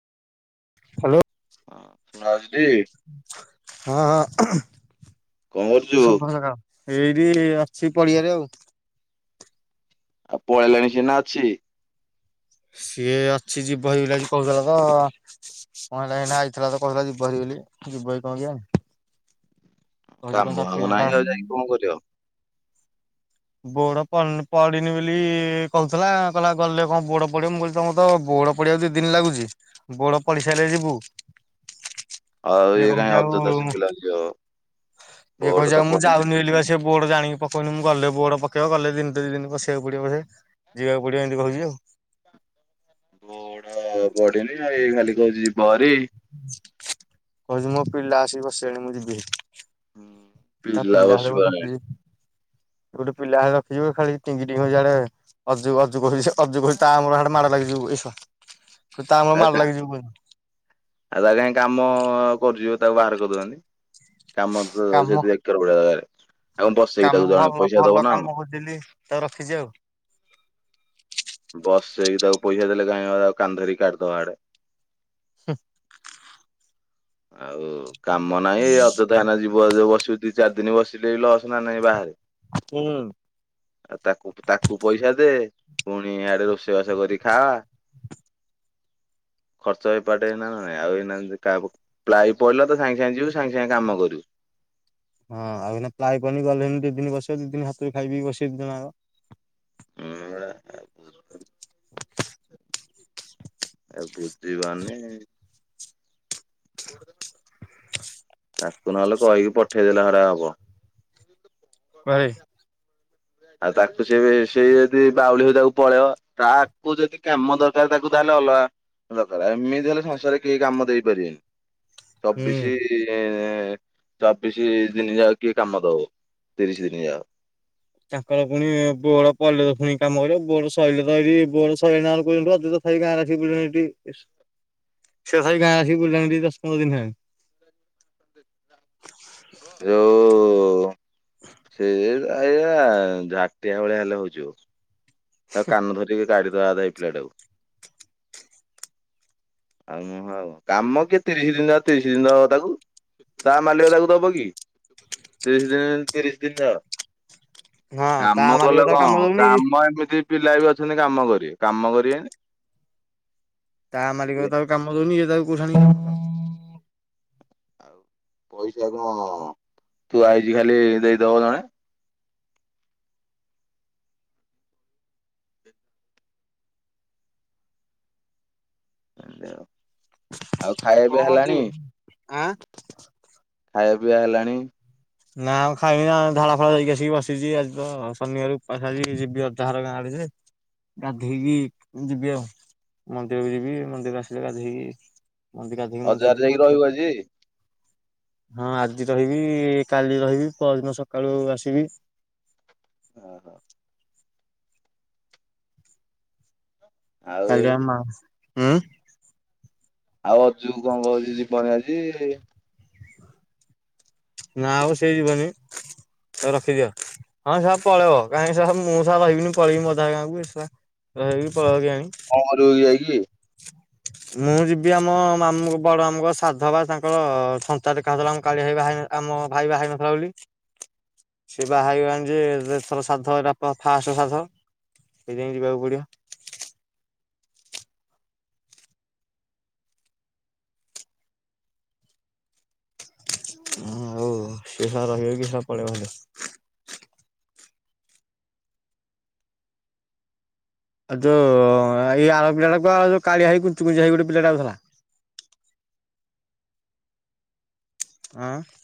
Hello. ଶୁଣାଯାଉଛି ହଁ ଟି ହଁ ଆଁ କଣ କରୁଚୁ? ଏଇଠି ଅଛି ପଡିଆରେ ଆଉ। ଆଉ ପଳେଇଲାଣି ସିଏ ନା ଅଛି? ସିଏ ଅଛି ଯିବଏହିଲାଗି କହୁଥିଲା ତ, କଣ ହେଲା ଏଇନା ଆଇଥିଲା ତ କହୁଥିଲା ଯିବାହାରି ଯିବ କି କଣ କେଜାଣି? କହୁଛି କଣ ତା କାମ ପିଲା ଫାମ ଟା ନାହିଁ ଆଉ ଯାଇକି କଣ କରିବ? ବୋଡ ପନ ପଡିନି ବୋଲି କହୁଥିଲା, କହିଲା ଗଲେ କଣ ବୋଡ ପଡିବ ମୁଁ କହିଲି ତମକୁ ତ ବୋଡ ପଡ଼ିବାକୁ ଦି ଦିନ ଲାଗୁଛି। ବୋଡ ପଡିସାଇଲେ ଯିବୁ। ଆଉ ଇଏ କହୁଛି କାହିଁ ଆଉ ଅଯଥା ସୁଖିଲାରେ ଯିବ? ଇଏ କହୁଚି ଆଉ ମୁଁ ଯାଉନି ବୋଲି ବା ସେ ବୋଡ ଜାଣିକି ପକଉନି। ମୁଁ ଗଲେ ବୋଡ ପକେଇବ। ଗଲେ ଦିନୁଟେ ଦି ଦିନ ବସିବାକୁ ପଡିବ ବୋଧେ, ଯିବାକୁ ପଡିବ ଏମିତି କହୁଛି ଆଉ। ବୋଡ଼ ପଡିନି ଆଉ ଏଇ ଖାଲି କହୁଛି ଯିବ ହାରି। କହୁଛି ମୋ ପିଲା ଆସିକି ବସିଲେଣି ମୁଁ ଯିବି। ତା ପିଲା ହେଲେ କଣ ରଖିଚି, ଗୋଟେ ପିଲା ହେ ରଖିଚି ଯେ ଖାଲି ଟିଙ୍ଗିଟିଙ୍ଗି ହଉଚି ଇଆଡ଼େ ହାଡେ। ଅଜୁ ଅଜୁ କୁ କହିଲି ଯେ ଅଜୁ କହୁଚି ତାର ମୋର ଆମର ହାଡେ ମାଡ ଲାଗିଯିବୁ। ଏଇଶଳା କହୁଚି ତାର ମର ମାଡ଼ ଲଗିଯିବୁ ଏଇନୁ। ଆଉ ତାକୁ କାଇଁ କାମ କରୁଛିବ ତାକୁ ବାହାର କରିଦଉନାହାନ୍ତି। କାମ ତ ସେ [unintelligible] କାମ ଭଲ ଭଲ କଣ? କାମ କରିଛିବେଲି ତାକୁ ରଖିଛି ଆଉ। ବସଇକି ତାକୁ ପଇସା ଦେଲେ କାହିଁ ବା ତାକୁ କାନଧରି କାଢିଦବା ହାଡେ। ହୁ ଆଉ କାମ ନାହିଁ ଏଇ ଅଯଥା ଏନା ଯିବ ଯୋଉ ବସିବ ଦି ଚାରି ଦିନେ ବସିଲେବି ଲସ ନା ନାହିଁ ବାହାରେ। ହୁଁ ଆଉ ତାକୁ ତାକୁ ପଇସା ଦେ, ପୁଣି ଆଡେ ରୋଷେଇବାସ କରି ଖାଆ [inaudible] ଖର୍ଚ୍ଚ ଏପାଟେ ହେଇ ନା ନା ନାଇଁ ଆଉ ଏୟିନା ଯଦି କାହାକୁ ପ୍ଲାଏ ପଡ଼ିଲା ତ ସାଙ୍ଗେ ସାଙ୍ଗେ ଯିବୁ, ସାଙ୍ଗେ ସାଙ୍ଗେ କାମ କରିବୁ। ହଁ ଆଉ ଏଇନା ପ୍ଲାଏ ପଡିନି ଗଲେ ହେଇକି ଦି ଦିନ ବସିବ, ଦି ଦିନ ହାତରୁ ଖାଇ ପିଇକି ବସେଇ ଦି ଜଣ ଯାକ। ହଁ [unintelligible] ଆ ବୁଦ୍ଧିମାନେ [inaudible] ତାକୁ ନହେଲେ କହିକି ପଠେଇଦେଲେ ହରା ହବ। କୁଆଡ଼େ? ଆଉ ତାକୁ ସେ, ସେଇ ଯଦି ବାଉଳି ହଉଛି ତାକୁ ପଳେଇବ, ତାକୁ ଯଦି କାମ ଦରକାର ତାକୁ ତାହଲେ ଅଲଗା ଦରକାର, ଏମିତି ହେଲେ ସଂସାରରେ କେହି କାମ ଦେଇପାରିବେନି। ହୁଁ। ଚବିଶି ଚବିଶ ଦିନ ଯାକ, କିଏ କାମ ଦବ ତିରିଶ ଦିନ ଯା ତାଙ୍କର ପୁଣି ବୋର୍ଡ ପଇଲେ ତ ପୁଣି କାମ କରିବ, ବୋର୍ଡ ସଇଲେ ତ ହେରି, ବୋଡ଼ ସଇଲା ବେଳକୁ [unintelligible] [unintelligible] ସେ ସେଇ ଗାଁ ଆସିକି ବୁଲିଲାଣି ଦଶ ପନ୍ଦର ଦିନେ [inaudible] ଯୋଉ ଉଁ ଉଁ ସେୟା ଏୟା ଝାଟିଆ ଭଳିଆ ହେଲେ ହଉଛି ଆଉ, ଆଉ କାନ ଧରିକି ଦାଡ଼ି ଦେବା କଥା ଏୟୀ ପିଲଟାକୁ [inaudible] [inaudible] ଆ ହଉ ଆଉ କାମ କିଏ ତିରିଶ ଦିନ, ତିରିଶ ଦିନ ତାକୁ ତା ମାଲିକ ତାକୁ ଦବ କି, ତିରିଶ ଦିନ ତିରିଶ ଦିନର ହଁ ତା କାମ ମାଲିକ କଲେ ତାକୁ କଣ କାମ ହବ, ଦଉନି କାମ ଏମିତି ଯି ପିଲା ବି ଅଛନ୍ତି କାମ କରିବେ, କାମ କରିବେନି ତା ମାଲିକ ସିଏ ତାକୁ କାମ ଦୋଉନି ୟେ ଯାଇକି [inaudible] ଆଉ ପଇସା କଣ ତୁ ଥୁଆହେଇଛି ଖାଲି ଦେଇଦବ ଜଣେ। ଏମିତି ଆଉ, ଆଉ ଖାଇବା କଣ ବି କରୁଛୁ ହେଲାଣି? ଆଁ [inaudible] ଖାଇବା ପିଇବା ହେଲାଣି? ନା ମୁଁ ଖାଇିବିନି ଆଉ ଝାଳ ଫାଳ ହେଇକି ଆସିକି ବସିଛି ଆଜି ତ, ଶନିବାର ଉପାସ ଆଜି ଯିବି ଅଜା ଘର ଗାଁ ଆଡେ। ହ ଗାଧେଇକି ଯିବି ଆଉ, ମନ୍ଦିରକୁ ଯିବି, ମନ୍ଦିର ଆସିଲେ ଗାଧେଇଵି ମନ୍ଦି ଗାଧେଇକି, ମନ୍ଦିର ଅଜାଘରେ ଯିବି, [inaudible] ଯାଇକି ମନ୍ଦି ରହିବୁ ଆଜି? ହଁ, ଆଜି ରହିବି କାଲି ରହିବି, ପହରଦିନ ସକାଳୁ ଆସିବି। ଅ ହଁ। ଆଉ ଏ କାଲି ଆମ ଉଁ ଆଉ ଅଜୁ, କଣ କହୁଛି ଯିବ ଆଜି। ନା ଆଉ ସେଇ ଯିବନି ତାକୁ ରଖିଦିଅ। ହଁ ସେ ପଳେଇବ କାହିଁକି ସା ମୁଁ ସା ରହିବିନି ପଳେଇବି ମୁଁ ଅଧା ଗାଁ କୁ ଏଠି ସା ରହି ପଳେଇବ କଣ କରିବୁ ଯାଇକି? ମୁଁ ଯିବି ଆମ ମାମୁଁ ବଡ ମାମୁଁ ସାଧ ବା ତାଙ୍କର ସନ୍ତା ଟେକା ହଉଥିଲା ମୁଁ କାଳିଆଇବା ଆମ ଭାଇ ବାହା ହେଇନଥିଲା ବୋଲି ସେ ବାହାହେଇଗଲାଣି ଯେ ଏଥର ଶ୍ରାଦ୍ଧ ଏଇଟା ପରା ଫାଷ୍ଟ ଶ୍ରାଦ୍ଧ। ସେଥିପାଇଁ ଯିବାକୁ ପଡିବ। ହୁଁ ହୋଉ ସେ ସା ରହିବ କି ସା ପଳେଇବ ଭରେ [inaudible] ଆଉ ଯୋଉ ଏଇ ଆର ପିଲାଟା କୁଆଡ଼େ ଗଲା ଯୋଉ କାଳିଆ ହେଇ କୁଞ୍ଚୁ କୁଞ୍ଚିଆ ହେଇ ଗୋଟେ ପିଲାଟା ଆଉଥିଲା। [inaudible] ଆଁ